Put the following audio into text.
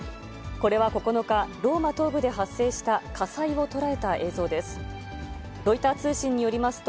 これは９日、ローマ東部で発生した火災を捉えた映像です。